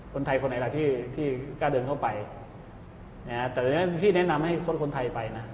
คนไทยคนไหนล่ะที่ที่กล้าเดินเข้าไปแต่ที่แนะนำให้คนคนไทยไปนะ